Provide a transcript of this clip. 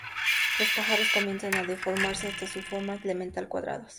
Los pájaros comienzan a deformarse hasta su forma elemental: cuadrados.